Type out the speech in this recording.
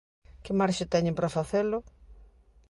Que marxe teñen para facelo?